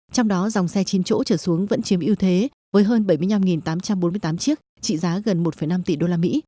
trong đó dòng xe chín chỗ trở xuống vẫn chiếm ưu thế với hơn bảy mươi năm tám trăm bốn mươi tám chiếc trị giá gần một năm tỷ usd